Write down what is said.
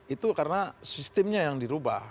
itu karena sistemnya yang dirubah